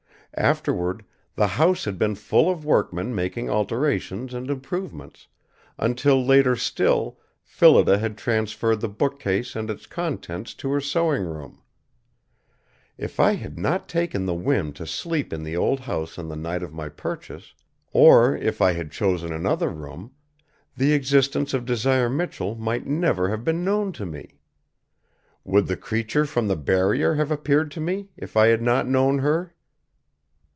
Afterward, the house had been full of workmen making alterations and improvements, until later still Phillida had transferred the bookcase and its contents to her sewing room. If I had not taken the whim to sleep in the old house on the night of my purchase, or if I had chosen another room, the existence of Desire Michell might never have been known to me. Would the creature from the Barrier have appeared to me, if I had not known her?